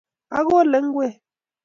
Akole ngwek